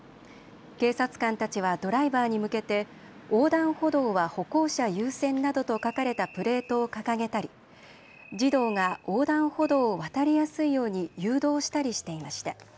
警察官たちはドライバーに向けて横断歩道は歩行者優先などと書かれたプレートを掲げたり児童が横断歩道を渡りやすいように誘導したりしていました。